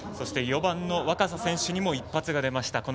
４番の若狭選手にも一発が出ました。